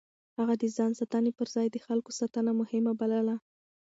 هغه د ځان ساتنې پر ځای د خلکو ساتنه مهمه بلله.